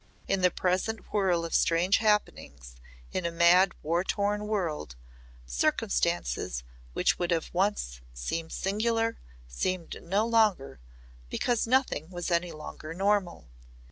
In the present whirl of strange happenings in a mad war torn world, circumstances which would once have seemed singular seemed so no longer because nothing was any longer normal.